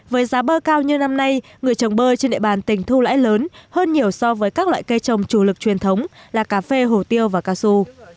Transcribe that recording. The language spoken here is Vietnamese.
với giá bơ cao như năm nay người trồng bơ trên địa bàn tỉnh thu lãi lớn hơn nhiều so với các loại cây trồng chủ lực truyền thống là cà phê hồ tiêu và cao su